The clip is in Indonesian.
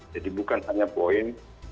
jadi bukan hanya poin